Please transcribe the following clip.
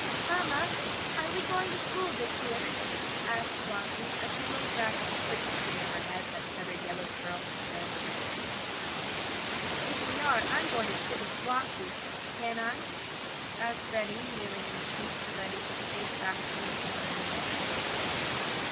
"Mamma, are we going to school this year?" asked Flossie, as she looked back with a quick turning of her head that set her yellow curls to dancing. "If we are, I'm going to sit with Flossie can't I?" asked Freddie, kneeling in the seat so that he could face back to his father and mother.